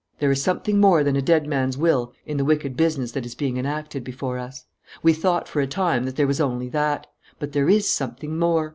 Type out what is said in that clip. "There is something more than a dead man's will in the wicked business that is being enacted before us. We thought for a time that there was only that; but there is something more.